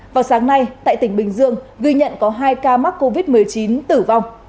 vào sáng nay tại tỉnh bình dương ghi nhận có hai ca mắc covid một mươi chín tử vong